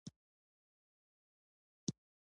شپږ سوه ميليونه ډالر وګټل.